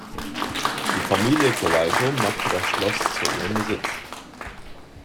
Die Familie Collalto machte das Schloss zu ihrem Sitz.